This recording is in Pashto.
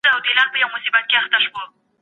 زه به د کيسې پايلې ته ډېر په تلوسه کي وم.